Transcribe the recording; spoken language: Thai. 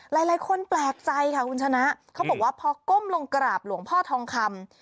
หลายคนแปลกใจค่ะคุณชนะเขาบอกว่าพอก้มลงกราบหลวงพ่อทองคำ